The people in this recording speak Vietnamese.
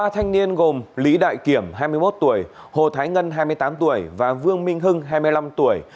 ba thanh niên gồm lý đại kiểm hai mươi một tuổi hồ thái ngân hai mươi tám tuổi và vương minh hưng hai mươi năm tuổi